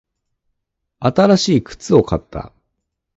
新しい靴を買った。